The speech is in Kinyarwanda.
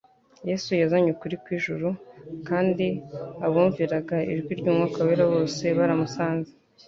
Yesu yazanye ukuri kw'ijuru, kandi abumviraga ijwi ry'Umwuka wera bose baramusanze.